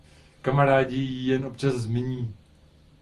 Kamarádi ji jen občas zmíní.